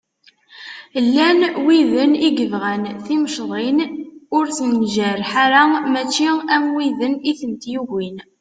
Llan widen i yebɣan timecḍin ur ten-njerreḥ ara mačči am widen i tent-yugin.